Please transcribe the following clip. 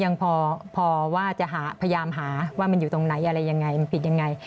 ยังพอว่าจะหาพยายามหาว่ามันอยู่ตรงไหนอะไรยังไงมันผิดยังไง